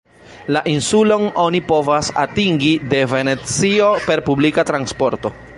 La insulon oni povas atingi de Venecio per publika transporto.